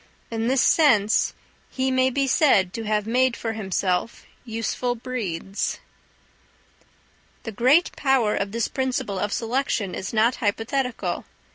In this sense he may be said to have made for himself useful breeds. The great power of this principle of selection is not hypothetical.